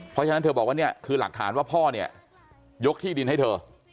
เพราะฉะนั้นเธอบอกว่าเนี่ยคือหลักฐานว่าพ่อเนี่ยยกที่ดินให้เธอ